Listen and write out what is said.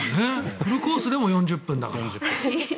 フルコースでも４０分だから。